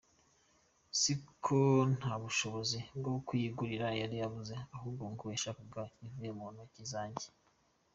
Si uko ntabushobozi bwo kuyigura yari abuze, ahubwo ngo yashakaga ivuye muntoki zanjye .